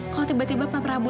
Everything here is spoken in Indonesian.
kalau tiba tiba pak prabowo